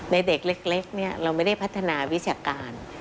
เด็กเล็กเราไม่ได้พัฒนาวิชาการ